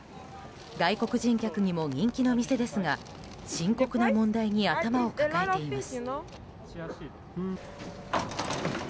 外国人客にも人気の店ですが深刻な問題に頭を抱えています。